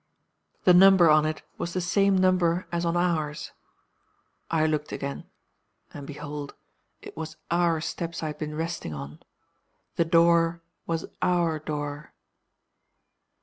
The number on it was the same number an as ours. I looked again. And behold, it was our steps I had been resting on. The door was our door.